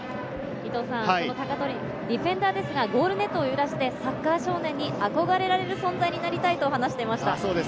その鷹取、ディフェンダーですが、ゴールネットを揺らしてサッカー少年に憧れられる存在になりたいと話していました。